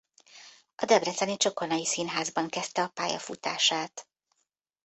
A debreceni Csokonai Színházban kezdte a pályafutását.